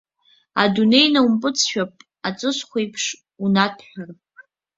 Адунеи наумпыҵшәап аҵысхә еиԥш, унаҭәҳәар.